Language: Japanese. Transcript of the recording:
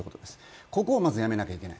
ここをまずやめなきゃいけない。